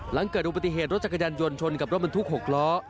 หลังเกิดอุบัติเหตุรถจักรยานยนต์ชนกับรถบรรทุก๖ล้อ